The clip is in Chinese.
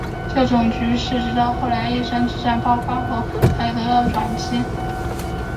这种局势直到后来稷山之战爆发后才得到转机。